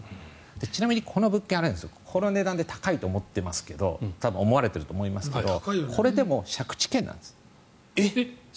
ちなみにこの物件この値段で高いって多分思われてると思いますけどこれでも借地権なんです。